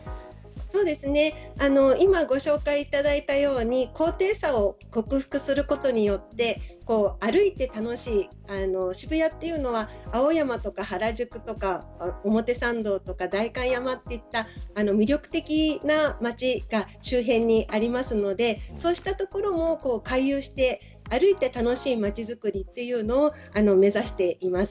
今、ご紹介いただいたように高低差を克服することによって歩いて楽しい渋谷というのは青山とか原宿とか表参道とか代官山といった魅力的な街が周辺にありますのでそうした所を回遊して歩いて楽しい街づくりというのを目指しています。